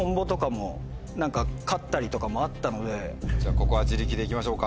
ここは自力で行きましょうか。